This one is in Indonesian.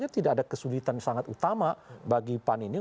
tidak ada kesulitan sangat utama bagi pan ini